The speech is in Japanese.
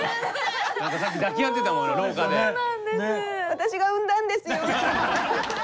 私が産んだんですよ。